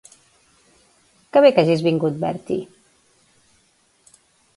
Què bé que hagis vingut, Bertie.